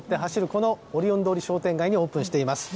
このオリオン通り商店街にオープンしています。